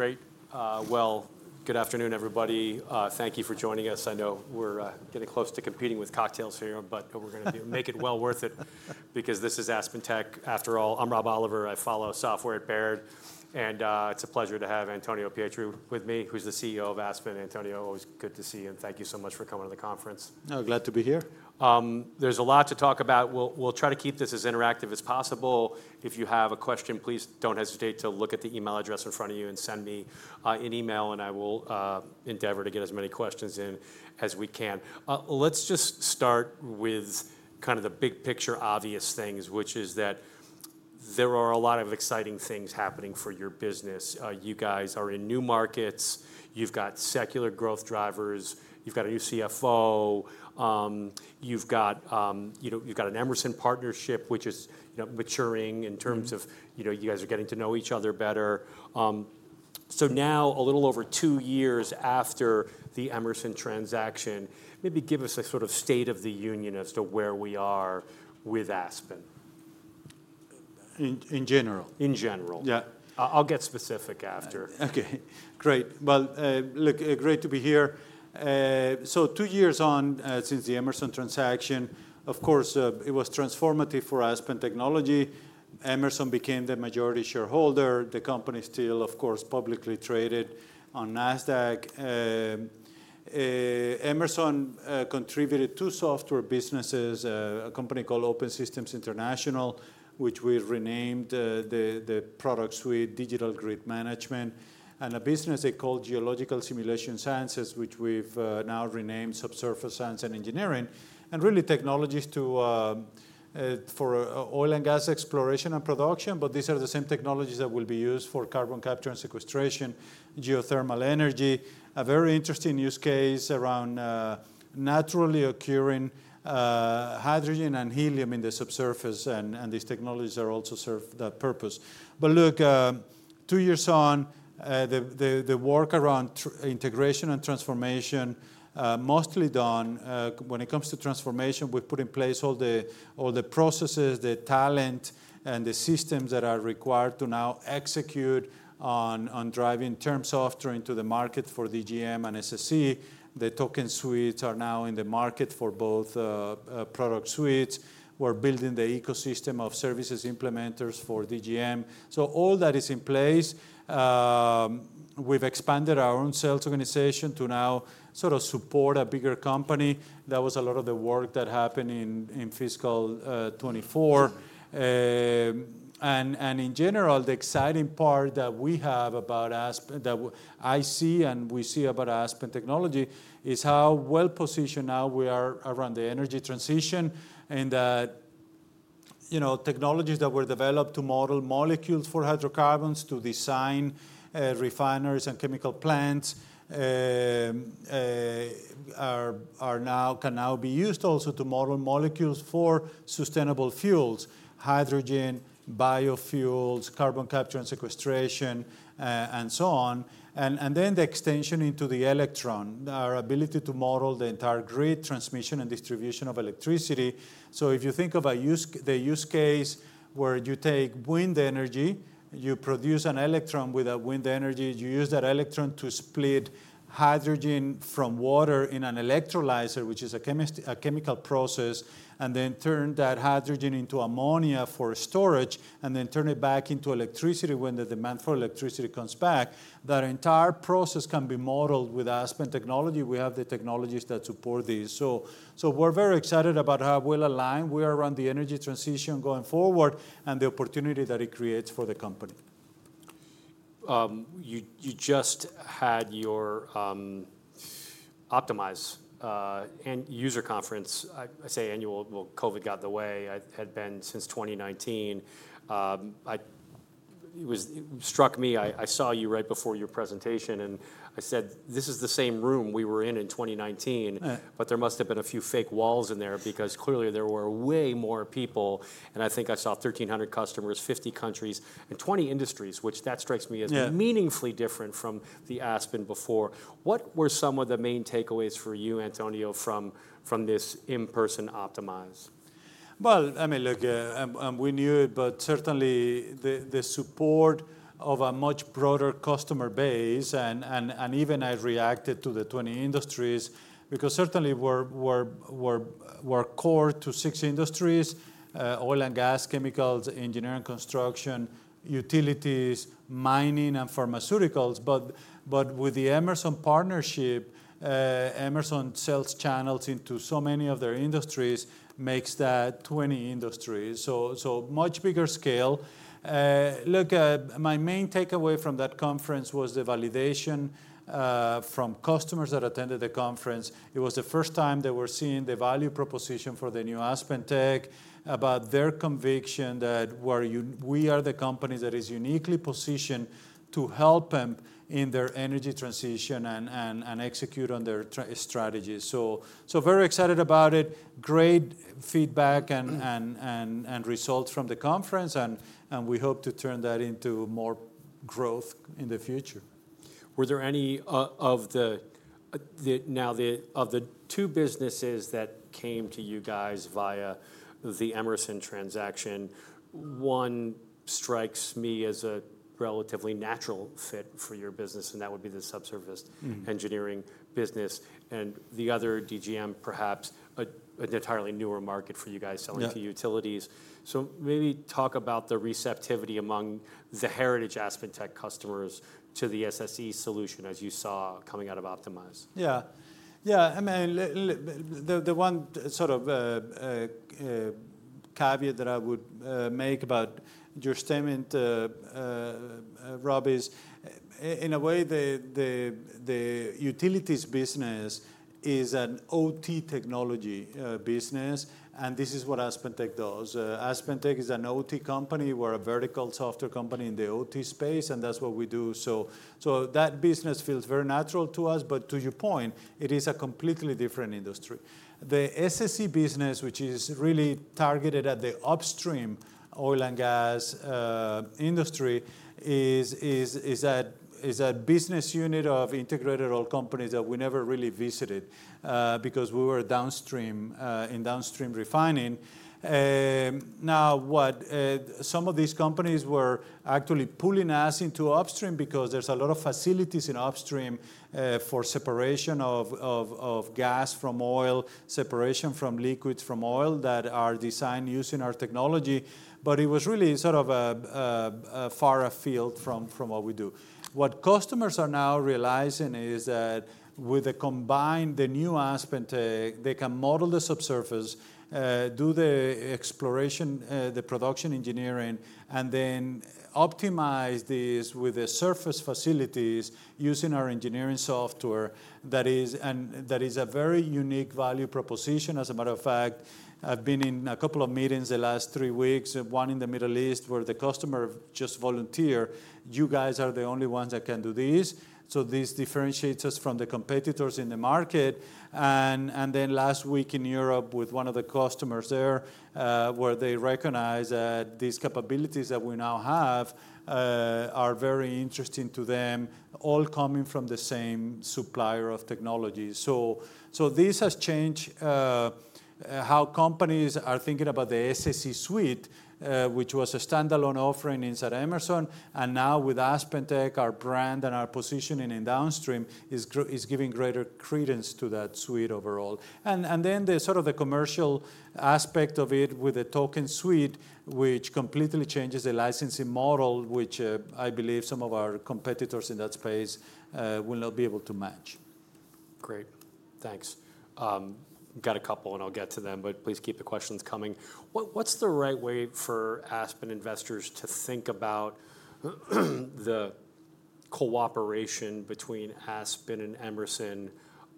Great. Well, good afternoon, everybody. Thank you for joining us. I know we're getting close to competing with cocktails here, but we're gonna make it well worth it because this is AspenTech, after all. I'm Rob Oliver, I follow Software at Baird, and it's a pleasure to have Antonio Pietri with me, who's the CEO of Aspen. Antonio, always good to see you, and thank you so much for coming to the conference. No, glad to be here. There's a lot to talk about. We'll try to keep this as interactive as possible. If you have a question, please don't hesitate to look at the email address in front of you and send me an email, and I will endeavor to get as many questions in as we can. Let's just start with kind of the big picture, obvious things, which is that there are a lot of exciting things happening for your business. You guys are in new markets, you've got secular growth drivers, you've got a new CFO, you've got, you know, you've got an Emerson partnership, which is, you know, maturing in terms of you know, you guys are getting to know each other better. So now, a little over two years after the Emerson transaction, maybe give us a sort of state of the union as to where we are with Aspen. In general? In general. Yeah. I'll get specific after. Okay. Great. Well, look, great to be here. So two years on, since the Emerson transaction, of course, it was transformative for Aspen Technology. Emerson became the majority shareholder. The company is still, of course, publicly traded on Nasdaq. Emerson contributed two software businesses, a company called Open Systems International, which we renamed the products with Digital Grid Management, and a business they called Geological Simulation Sciences, which we've now renamed Subsurface Science and Engineering, and really technologies for oil and gas exploration and production, but these are the same technologies that will be used for carbon capture and sequestration, geothermal energy. A very interesting use case around naturally occurring hydrogen and helium in the subsurface, and these technologies also serve that purpose. But look, two years on, the work around integration and transformation, mostly done. When it comes to transformation, we've put in place all the processes, the talent, and the systems that are required to now execute on driving term software into the market for DGM and SSE. The Token suites are now in the market for both product suites. We're building the ecosystem of services implementers for DGM. So all that is in place. We've expanded our own sales organization to now sort of support a bigger company. That was a lot of the work that happened in fiscal 2024. And in general, the exciting part that we have about Aspen, that I see and we see about Aspen Technology, is how well-positioned now we are around the energy transition, and that, you know, technologies that were developed to model molecules for hydrocarbons, to design, refineries and chemical plants, are now- can now be used also to model molecules for sustainable fuels: hydrogen, biofuels, carbon capture and sequestration, and so on. And then the extension into the electron, our ability to model the entire grid transmission and distribution of electricity. So if you think of the use case where you take wind energy, you produce an electron with wind energy, you use that electron to split hydrogen from water in an electrolyzer, which is a chemical process, and then turn that hydrogen into ammonia for storage, and then turn it back into electricity when the demand for electricity comes back, that entire process can be modeled with Aspen Technology. We have the technologies that support this. So we're very excited about how well aligned we are around the energy transition going forward, and the opportunity that it creates for the company. You just had your OPTIMIZE user conference. I say annual, well, COVID got in the way. It had been since 2019. It struck me, I saw you right before your presentation, and I said, "This is the same room we were in in 2019. Uh. “But there must have been a few fake walls in there, because clearly there were way more people.” I think I saw 1,300 customers, 50 countries, and 20 industries, which strikes me as meaningfully different from the Aspen before. What were some of the main takeaways for you, Antonio, from this in-person OPTIMIZE? Well, I mean, look, we knew it, but certainly the support of a much broader customer base, and even I reacted to the 20 industries, because certainly we're core to six industries: oil and gas, chemicals, engineering, construction, utilities, mining, and pharmaceuticals. But with the Emerson partnership, Emerson sales channels into so many of their industries makes that 20 industries, so much bigger scale. Look, my main takeaway from that conference was the validation from customers that attended the conference. It was the first time they were seeing the value proposition for the new AspenTech, about their conviction that we are the company that is uniquely positioned to help them in their energy transition and execute on their strategy. So very excited about it. Great feedback and results from the conference, and we hope to turn that into more growth in the future. Were there any of the two businesses that came to you guys via the Emerson transaction, one strikes me as a relatively natural fit for your business, and that would be the subsurface engineering business, and the other, DGM, perhaps an entirely newer market for you guys selling to utilities. So maybe talk about the receptivity among the heritage AspenTech customers to the SSE solution as you saw coming out of Optimize. Yeah. Yeah, I mean, the one sort of caveat that I would make about your statement, Rob, is in a way, the utilities business is an OT technology business, and this is what AspenTech does. AspenTech is an OT company. We're a vertical software company in the OT space, and that's what we do. So, that business feels very natural to us, but to your point, it is a completely different industry. The SSE business, which is really targeted at the upstream oil and gas industry, is a business unit of integrated oil companies that we never really visited, because we were downstream, in downstream refining. Now, what some of these companies were actually pulling us into upstream because there's a lot of facilities in upstream for separation of gas from oil, separation from liquids from oil that are designed using our technology, but it was really sort of a far afield from what we do. What customers are now realizing is that with the combined, the new AspenTech, they can model the subsurface, do the exploration, the production engineering, and then optimize this with the surface facilities using our engineering software. That is, and that is a very unique value proposition. As a matter of fact, I've been in a couple of meetings the last three weeks, one in the Middle East, where the customer just volunteered: "You guys are the only ones that can do this." So this differentiates us from the competitors in the market. And then last week in Europe with one of the customers there, where they recognize that these capabilities that we now have are very interesting to them, all coming from the same supplier of technology. So this has changed how companies are thinking about the SSE suite, which was a standalone offering inside Emerson, and now with AspenTech, our brand and our positioning in downstream is giving greater credence to that suite overall. And then the sort of commercial aspect of it with the token suite, which completely changes the licensing model, which I believe some of our competitors in that space will not be able to match. Great, thanks. Got a couple, and I'll get to them, but please keep the questions coming. What's the right way for Aspen investors to think about the cooperation between Aspen and Emerson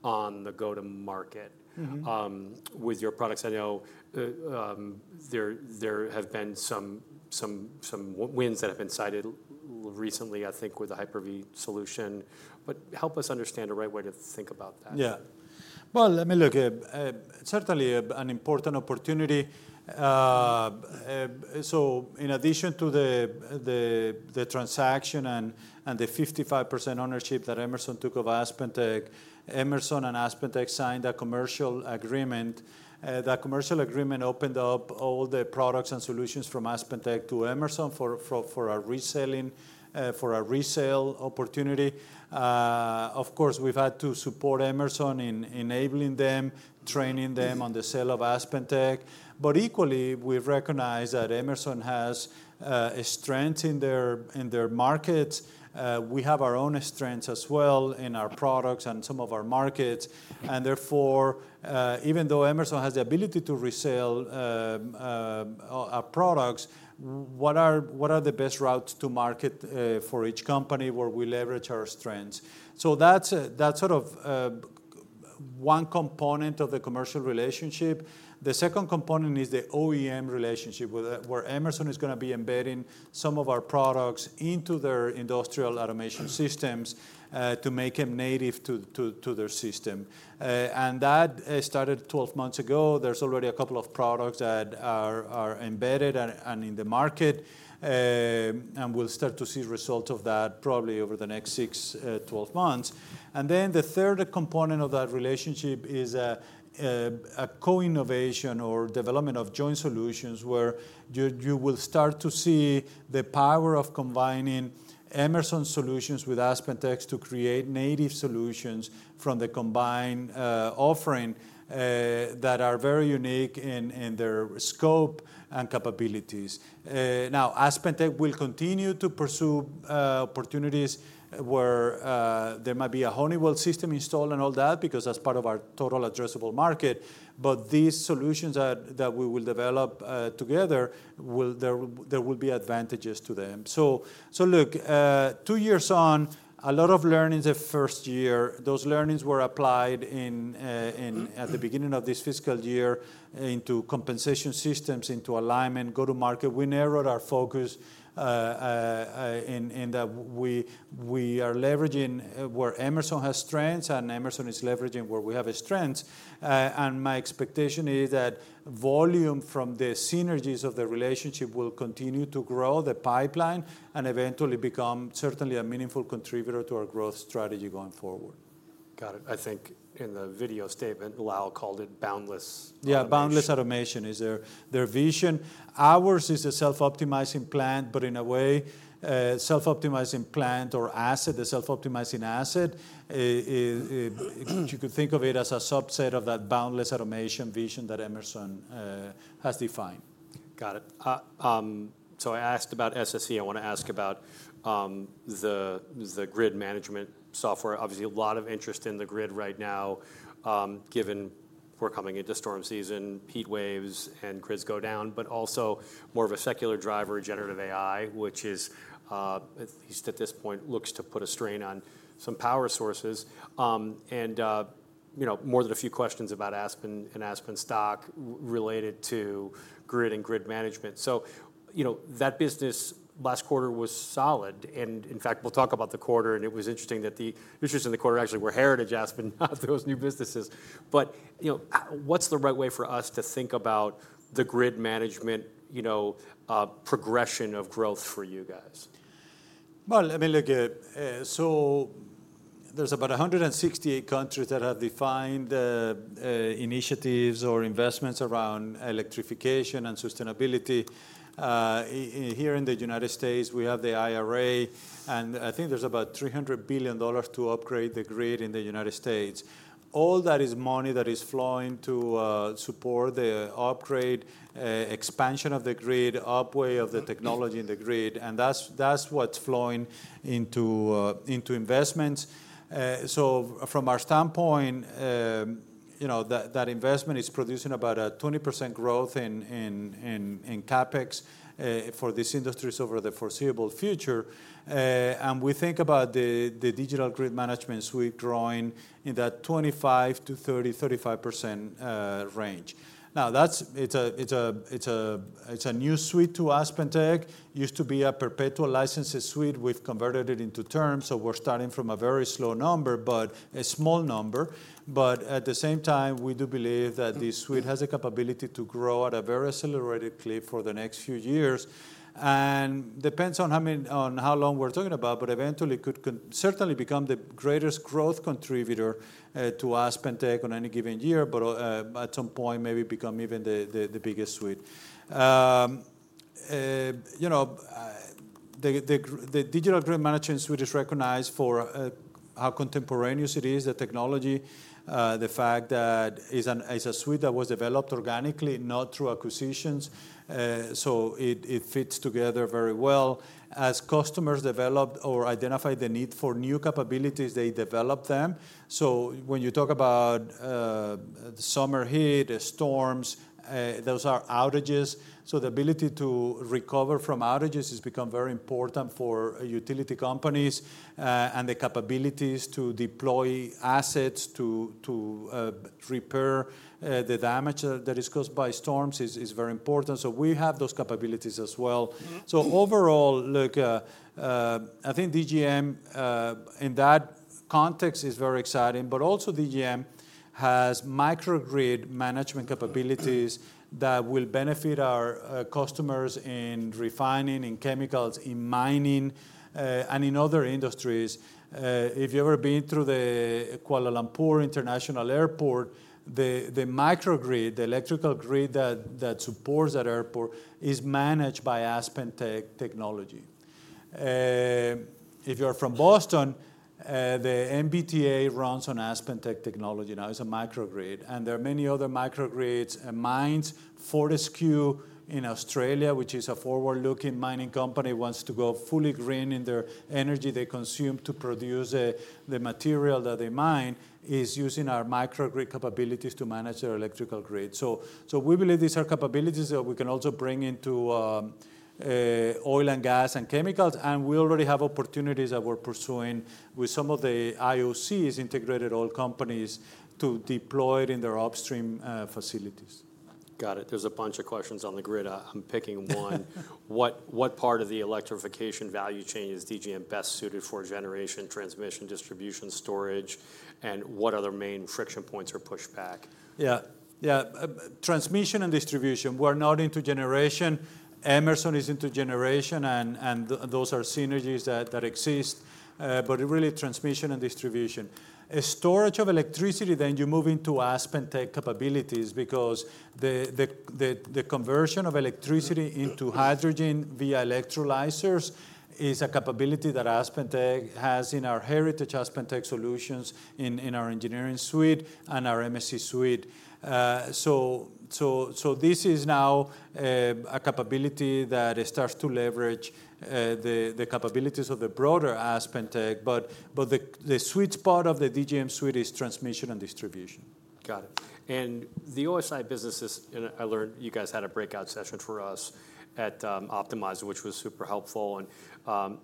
on the go-to-market with your products? I know, there have been some wins that have been cited recently, I think, with the Hyper-V solution, but help us understand the right way to think about that Yeah. Well, I mean, look, certainly, an important opportunity. So in addition to the transaction and the 55% ownership that Emerson took of AspenTech, Emerson and AspenTech signed a commercial agreement. That commercial agreement opened up all the products and solutions from AspenTech to Emerson for a reselling, for a resale opportunity. Of course, we've had to support Emerson in enabling them, training them on the sale of AspenTech. But equally, we've recognized that Emerson has a strength in their markets. We have our own strengths as well in our products and some of our markets, and therefore, even though Emerson has the ability to resell, our products, what are the best routes to market for each company, where we leverage our strengths? So that's, that's sort of, one component of the commercial relationship. The second component is the OEM relationship, where Emerson is gonna be embedding some of our products into their industrial automation systems, to make them native to their system. And that, started 12 months ago. There's already a couple of products that are embedded and in the market, and we'll start to see results of that probably over the next 6-12 months. And then the third component of that relationship is a co-innovation or development of joint solutions, where you will start to see the power of combining Emerson's solutions with AspenTech's to create native solutions from the combined, offering, that are very unique in their scope and capabilities. Now, AspenTech will continue to pursue opportunities where there might be a Honeywell system installed and all that, because that's part of our total addressable market. But these solutions that we will develop together will. There will be advantages to them. So look, two years on, a lot of learnings the first year, those learnings were applied in at the beginning of this fiscal year into compensation systems, into alignment, go-to-market. We narrowed our focus, in that we are leveraging where Emerson has strengths, and Emerson is leveraging where we have strengths. And my expectation is that volume from the synergies of the relationship will continue to grow the pipeline and eventually become certainly a meaningful contributor to our growth strategy going forward. Got it. I think in the video statement, Lal called it Boundless Automation. Yeah, Boundless Automation is their, their vision. Ours is a self-optimizing plant, but in a way, self-optimizing plant or asset, a self-optimizing asset, you could think of it as a subset of that Boundless Automation vision that Emerson has defined. Got it. So I asked about SSE. I wanna ask about the grid management software. Obviously, a lot of interest in the grid right now, given we're coming into storm season, heat waves, and grids go down, but also more of a secular driver, generative AI, which is, at least at this point, looks to put a strain on some power sources. And, you know, more than a few questions about Aspen and Aspen stock related to grid and grid management. So, you know, that business last quarter was solid, and in fact, we'll talk about the quarter, and it was interesting that the issues in the quarter actually were heritage Aspen, not those new businesses. But, you know, what's the right way for us to think about the grid management, you know, progression of growth for you guys? Well, I mean, look, so there's about 168 countries that have defined initiatives or investments around electrification and sustainability. Here in the United States, we have the IRA, and I think there's about $300 billion to upgrade the grid in the United States. All that is money that is flowing to support the upgrade, expansion of the grid, upgrade of the technology in the grid, and that's what's flowing into investments. So from our standpoint, you know, that investment is producing about a 20% growth in CapEx for these industries over the foreseeable future. And we think about the Digital Grid Management suite growing in that 25%-35% range. Now, that's a new suite to AspenTech. Used to be a perpetual licensing suite. We've converted it into terms, so we're starting from a very slow number, but a small number. But at the same time, we do believe that this suite has a capability to grow at a very accelerated clip for the next few years. And depends on how long we're talking about, but eventually, could certainly become the greatest growth contributor to AspenTech on any given year, but at some point, maybe become even the biggest suite. You know, the Digital Grid Management suite is recognized for how contemporaneous it is, the technology, the fact that it's a suite that was developed organically, not through acquisitions, so it fits together very well. As customers developed or identified the need for new capabilities, they developed them. So when you talk about the summer heat, the storms, those are outages, so the ability to recover from outages has become very important for utility companies, and the capabilities to deploy assets to repair the damage that is caused by storms is very important. So we have those capabilities as well. So overall, look, I think DGM in that context is very exciting, but also DGM has microgrid management capabilities that will benefit our customers in refining, in chemicals, in mining, and in other industries. If you've ever been through the Kuala Lumpur International Airport, the microgrid, the electrical grid that supports that airport is managed by AspenTech technology. If you're from Boston, the MBTA runs on AspenTech technology now. It's a microgrid, and there are many other microgrids and mines. Fortescue in Australia, which is a forward-looking mining company, wants to go fully green in their energy they consume to produce the material that they mine, is using our microgrid capabilities to manage their electrical grid. We believe these are capabilities that we can also bring into oil and gas and chemicals, and we already have opportunities that we're pursuing with some of the IOCs, integrated oil companies, to deploy it in their upstream facilities. Got it. There's a bunch of questions on the grid. I'm picking one. What part of the electrification value chain is DGM best suited for: generation, transmission, distribution, storage? And what other main friction points are pushed back? Yeah, yeah. Transmission and distribution, we're not into generation. Emerson is into generation, and those are synergies that exist, but really, transmission and distribution. Storage of electricity, then you move into AspenTech capabilities because the conversion of electricity into hydrogen via electrolyzers is a capability that AspenTech has in our heritage, AspenTech solutions, in our engineering suite and our SSE suite. So this is now a capability that starts to leverage the capabilities of the broader AspenTech, but the sweet spot of the DGM suite is transmission and distribution. Got it. The OSI businesses, and I learned you guys had a breakout session for us at OPTIMIZE, which was super helpful, and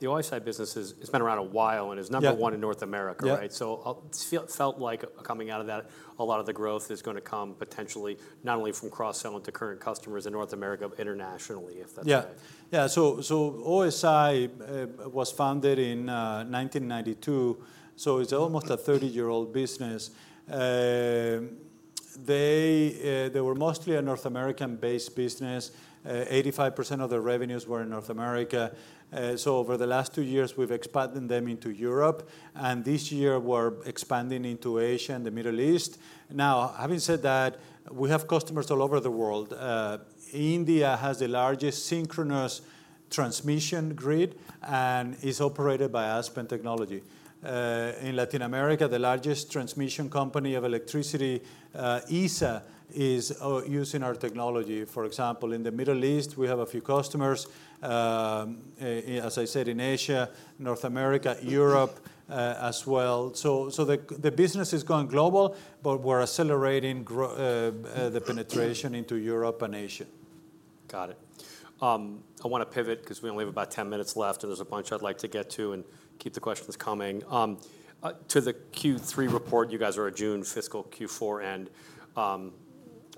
the OSI business is. It's been around a while and is number one in North America, right? Yeah. So, felt like coming out of that, a lot of the growth is gonna come potentially, not only from cross-sell to current customers in North America, but internationally, if that's right. Yeah. Yeah, so OSI was founded in 1992, so it's almost a 30-year-old business. They were mostly a North American-based business. 85% of their revenues were in North America. So over the last two years, we've expanded them into Europe, and this year we're expanding into Asia and the Middle East. Now, having said that, we have customers all over the world. India has the largest synchronous transmission grid and is operated by Aspen Technology. In Latin America, the largest transmission company of electricity, ISA, is using our technology. For example, in the Middle East, we have a few customers, as I said, in Asia, North America, Europe, as well. So the business is going global, but we're accelerating the penetration into Europe and Asia. Got it. I wanna pivot 'cause we only have about 10 minutes left, and there's a bunch I'd like to get to, and keep the questions coming. To the Q3 report, you guys are a June fiscal Q4, and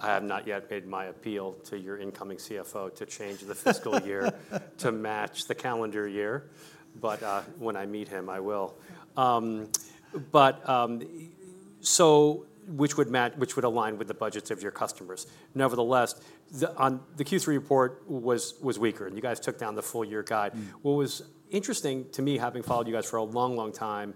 I have not yet made my appeal to your incoming CFO to change the fiscal year to match the calendar year. But when I meet him, I will. So which would align with the budgets of your customers. Nevertheless, the Q3 report was weaker, and you guys took down the full year guide. Mm. What was interesting to me, having followed you guys for a long, long time,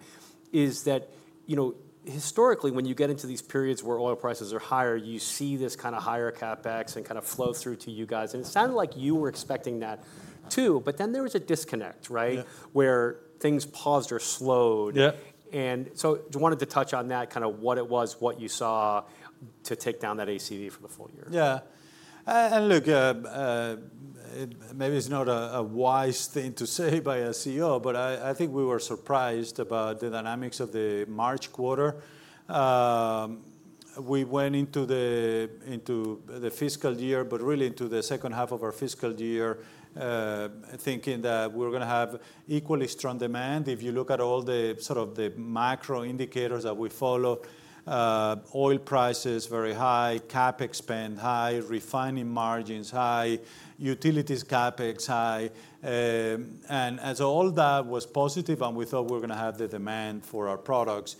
is that, you know, historically, when you get into these periods where oil prices are higher, you see this kinda higher CapEx and kind of flow through to you guys. And it sounded like you were expecting that too, but then there was a disconnect, right? Yeah. Where things paused or slowed. Yeah. So just wanted to touch on that, kinda what it was, what you saw to take down that ACV for the full year. Yeah. And look, maybe it's not a wise thing to say by a CEO, but I think we were surprised about the dynamics of the March quarter. We went into the fiscal year, but really into the second half of our fiscal year, thinking that we were gonna have equally strong demand. If you look at all the sort of the macro indicators that we follow, oil price is very high, CapEx spend high, refining margins high, utilities CapEx high. And as all that was positive, and we thought we were gonna have the demand for our products.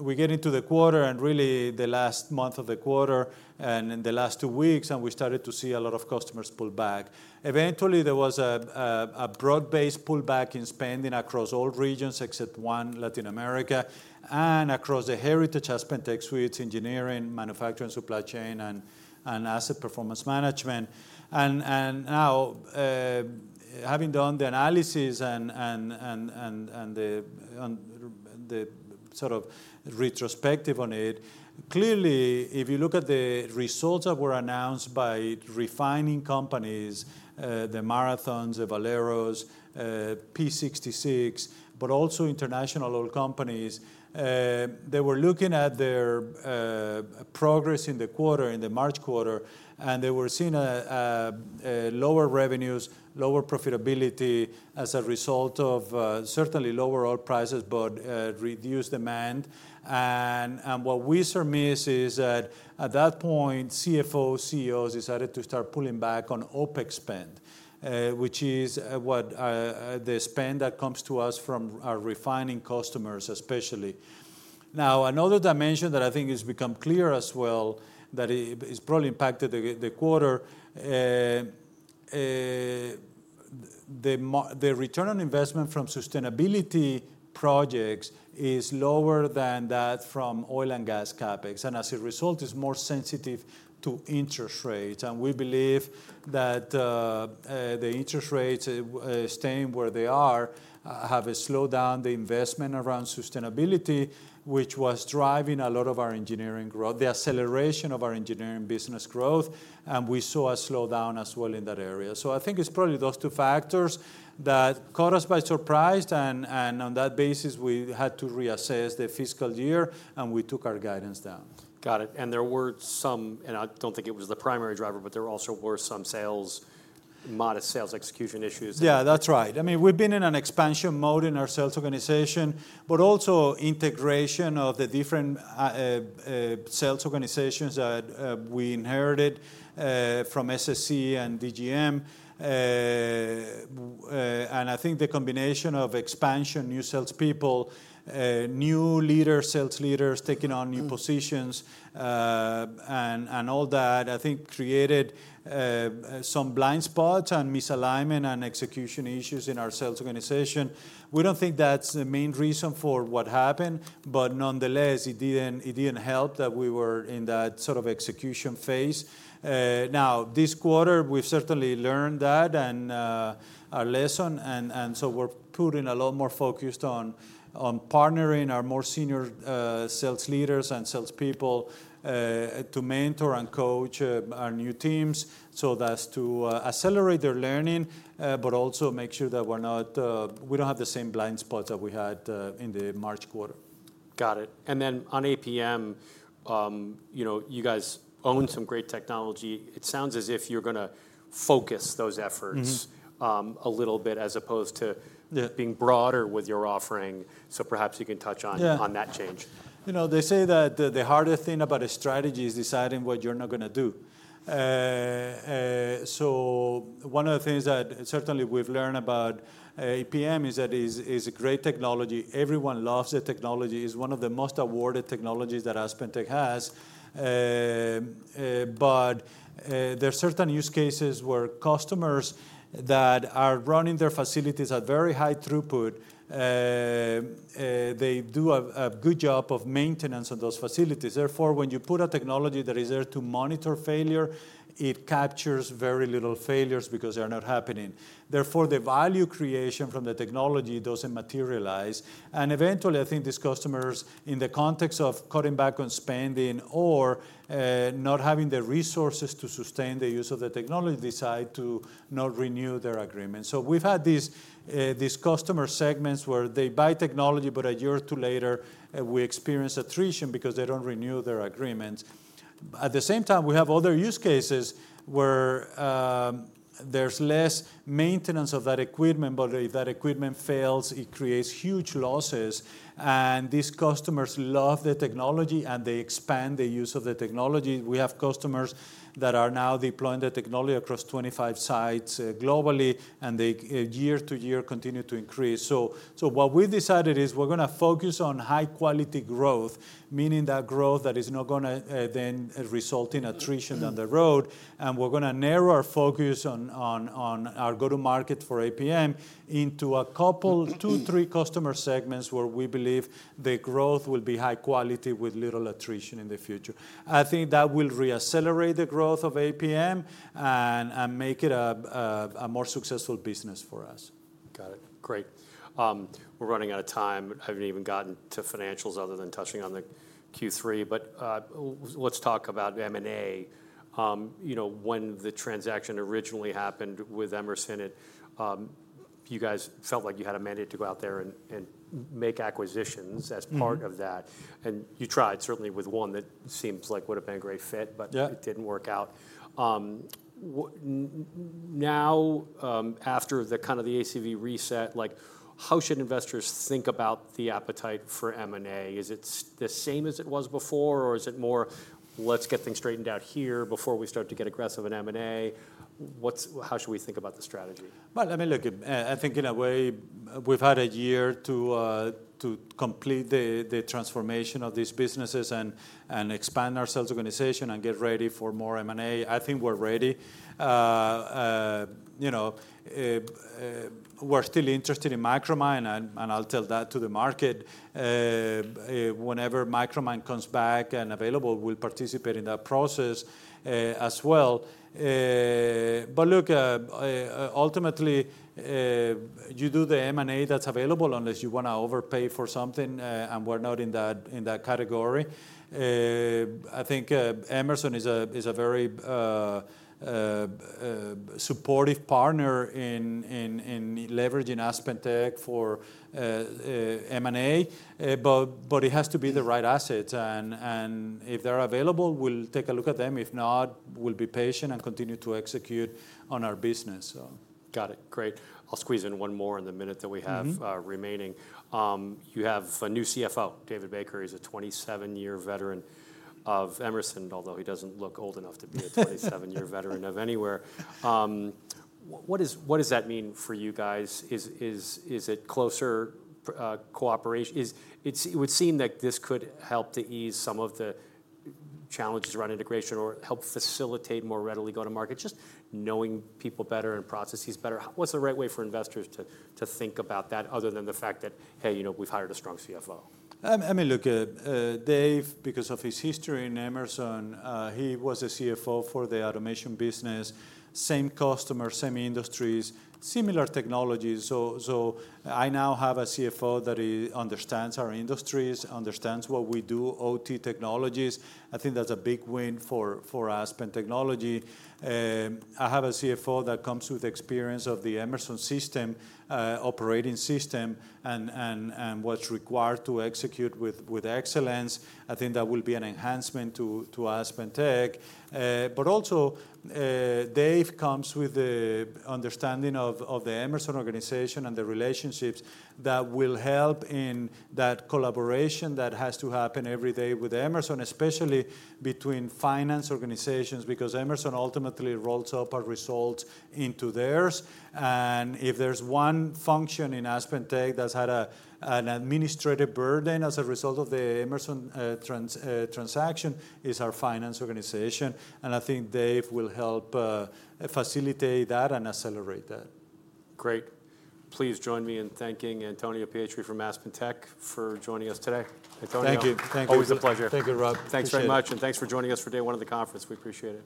We get into the quarter, and really, the last month of the quarter, and in the last two weeks, and we started to see a lot of customers pull back. Eventually, there was a broad-based pullback in spending across all regions except one, Latin America, and across the heritage AspenTech suites, engineering, manufacturing, supply chain, and asset performance management. Now, having done the analysis and the sort of retrospective on it, clearly, if you look at the results that were announced by refining companies, the Marathons, the Valeros, P66, but also international oil companies, they were looking at their lower revenues, lower profitability as a result of certainly lower oil prices, but reduced demand. What we surmise is that at that point, CFOs, CEOs decided to start pulling back on OpEx spend, which is what the spend that comes to us from our refining customers, especially. Now, another dimension that I think has become clear as well, that it's probably impacted the quarter, the return on investment from sustainability projects is lower than that from oil and gas CapEx, and as a result, is more sensitive to interest rates. We believe that the interest rates staying where they are have slowed down the investment around sustainability, which was driving a lot of our engineering growth, the acceleration of our engineering business growth, and we saw a slowdown as well in that area. I think it's probably those two factors that caught us by surprise, and on that basis, we had to reassess the fiscal year, and we took our guidance down. Got it. And there were some... And I don't think it was the primary driver, but there also were some sales, modest sales execution issues. Yeah, that's right. I mean, we've been in an expansion mode in our sales organization, but also integration of the different sales organizations that we inherited from SSC and DGM. And I think the combination of expansion, new salespeople, new leaders, sales leaders taking on new positions and, and all that, I think, created some blind spots and misalignment and execution issues in our sales organization. We don't think that's the main reason for what happened, but nonetheless, it didn't, it didn't help that we were in that sort of execution phase. Now, this quarter, we've certainly learned that, and a lesson, and, and so we're putting a lot more focus on partnering our more senior sales leaders and salespeople to mentor and coach our new teams. So that's to accelerate their learning, but also make sure that we're not, we don't have the same blind spots that we had in the March quarter. Got it. And then on APM, you know, you guys own some great technology. It sounds as if you're gonna focus those efforts a little bit, as opposed to being broader with your offering, so perhaps you can touch on that change. You know, they say that the harder thing about a strategy is deciding what you're not gonna do. So one of the things that certainly we've learned about APM is that it is a great technology. Everyone loves the technology. It's one of the most awarded technologies that AspenTech has. But there are certain use cases where customers that are running their facilities at very high throughput, they do a good job of maintenance of those facilities. Therefore, when you put a technology that is there to monitor failure, it captures very little failures because they are not happening. Therefore, the value creation from the technology doesn't materialize, and eventually, I think these customers, in the context of cutting back on spending or not having the resources to sustain the use of the technology, decide to not renew their agreement. So we've had these customer segments where they buy technology, but a year or two later, we experience attrition because they don't renew their agreements. At the same time, we have other use cases where there's less maintenance of that equipment, but if that equipment fails, it creates huge losses, and these customers love the technology, and they expand the use of the technology. We have customers that are now deploying the technology across 25 sites globally, and they year to year continue to increase. So what we decided is we're gonna focus on high-quality growth, meaning that growth that is not gonna then result in attrition down the road, and we're gonna narrow our focus on our go-to-market for APM into a couple, 2, 3 customer segments where we believe the growth will be high quality with little attrition in the future. I think that will reaccelerate the growth of APM and make it a more successful business for us. Got it. Great. We're running out of time. I haven't even gotten to financials other than touching on the Q3, but let's talk about M&A. You know, when the transaction originally happened with Emerson, you guys felt like you had a mandate to go out there and, and make acquisitions as part of that, and you tried, certainly with one that seems like would've been a great fit, but it didn't work out. Now, after the kind of the ACV reset, like, how should investors think about the appetite for M&A? Is it the same as it was before, or is it more, "Let's get things straightened out here before we start to get aggressive in M&A"? How should we think about the strategy? Well, I mean, look, I think in a way, we've had a year to complete the transformation of these businesses and expand our sales organization and get ready for more M&A. I think we're ready. You know, we're still interested in Micromine, and I'll tell that to the market. Whenever Micromine comes back and available, we'll participate in that process, as well. But look, ultimately, you do the M&A that's available unless you wanna overpay for something, and we're not in that category. I think Emerson is a very supportive partner in leveraging AspenTech for M&A, but it has to be the right assets, and if they're available, we'll take a look at them. If not, we'll be patient and continue to execute on our business, so. Got it. Great. I'll squeeze in one more in the minute that we have remaining. You have a new CFO, David Baker. He's a 27-year veteran of Emerson, although he doesn't look old enough to be a... 27-year veteran of anywhere. What does that mean for you guys? Is it closer cooperation? It would seem that this could help to ease some of the challenges around integration or help facilitate more readily go to market, just knowing people better and processes better. What's the right way for investors to think about that, other than the fact that, "Hey, you know, we've hired a strong CFO?" I mean, look, Dave, because of his history in Emerson, he was a CFO for the automation business, same customers, same industries, similar technologies. So, I now have a CFO that understands our industries, understands what we do, OT technologies. I think that's a big win for Aspen Technology. I have a CFO that comes with experience of the Emerson system, operating system and what's required to execute with excellence. I think that will be an enhancement to AspenTech. But also, Dave comes with the understanding of the Emerson organization and the relationships that will help in that collaboration that has to happen every day with Emerson, especially between finance organizations, because Emerson ultimately rolls up our results into theirs. If there's one function in AspenTech that's had an administrative burden as a result of the Emerson transaction, it's our finance organization, and I think Dave will help facilitate that and accelerate that. Great. Please join me in thanking Antonio Pietri from AspenTech for joining us today. Thank you. Thank you. Antonio, always a pleasure. Thank you, Rob. Appreciate it. Thanks very much, and thanks for joining us for day one of the conference. We appreciate it.